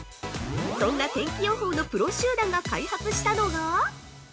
そんな天気予報のプロ集団が開発したのが。